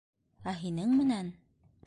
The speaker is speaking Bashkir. Ә һинең менән...